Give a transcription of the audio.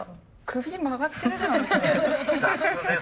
首曲がってるじゃないこれ。